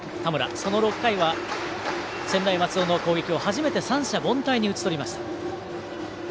その６回は、専大松戸の攻撃を初めて三者凡退に打ち取りました。